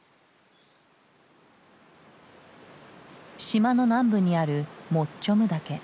島の南部にあるモッチョム岳。